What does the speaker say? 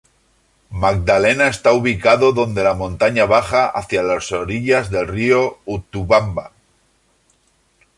Magdalena está ubicado donde la montaña baja hacia las orillas del Río Utcubamba.